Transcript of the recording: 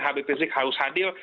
hpb harus hadir